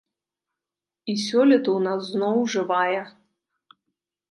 І сёлета ў нас зноў жывая.